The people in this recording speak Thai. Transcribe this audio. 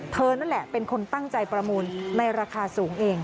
นั่นแหละเป็นคนตั้งใจประมูลในราคาสูงเอง